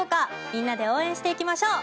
みんなで応援していきましょう。